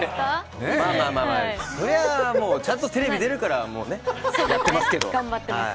まあまあ、ちゃんとテレビに出るからやってますけど。